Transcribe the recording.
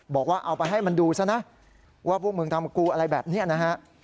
บอกว่าเอาไปให้มันดูซะนะว่าพวกมึงทำกูอะไรแบบนี้นะฮะ